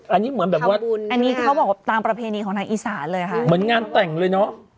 อันนี้เหมือนแบบว่าอันนี้คือเขาบอกตามประเพณีของทางอีสานเลยค่ะเหมือนงานแต่งเลยเนอะ